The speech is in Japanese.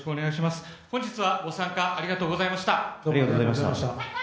本日は、ご参加ありがとうございました。